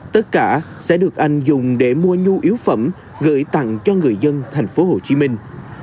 tất cả sẽ được anh dùng để mua nhu yếu phẩm gửi tặng cho người dân thành phố hồ chí minh